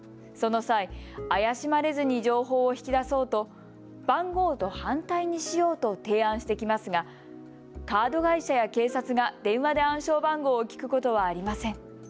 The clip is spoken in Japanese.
その際、怪しまれずに情報を引き出そうと番号と反対にしようと提案してきますがカード会社や警察が電話で暗証番号を聞くことはありません。